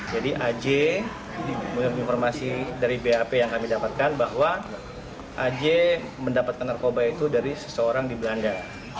jadi aja menggunakan informasi dari bap yang kami dapatkan bahwa aja mendapatkan narkoba itu dari seseorang di belanda